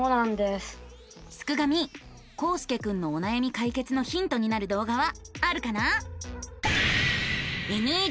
すくガミこうすけくんのおなやみ解決のヒントになる動画はあるかな？